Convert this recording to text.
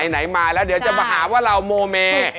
ไหนมาแล้วเดี๋ยวจะมาหาว่าเราโมเม